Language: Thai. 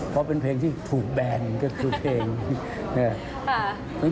เพราะเป็นเพลงที่ถูกแบนก็คือเพลงเนี่ย